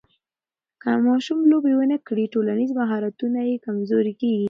که ماشوم لوبې ونه کړي، ټولنیز مهارتونه یې کمزوري کېږي.